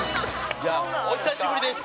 お久しぶりです。